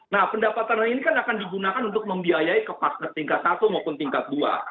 nah pendapatan real ini akan digunakan untuk membiayai kepasker tingkat satu maupun tingkat dua